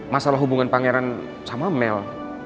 masalah hubungan pangeran sama mel